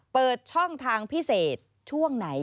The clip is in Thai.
เปิดช่องทางพิเศษช่วงไหน